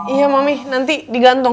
iya mami nanti digantung